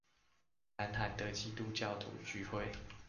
南韓的基督教徒聚會